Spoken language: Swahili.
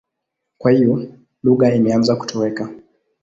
Kwa hiyo lugha imeanza kutoweka.